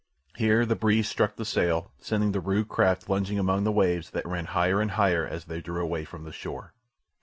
Here the breeze struck the sail, sending the rude craft lunging among the waves that ran higher and higher as they drew away from the shore.